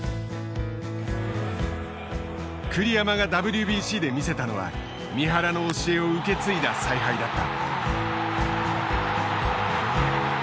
栗山がＷＢＣで見せたのは三原の教えを受け継いだ采配だった。